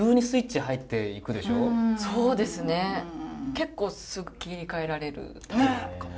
結構すぐ切り替えられるタイプかも。